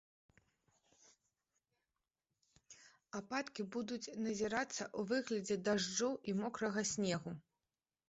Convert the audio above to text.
Ападкі будуць назірацца ў выглядзе дажджу і мокрага снегу.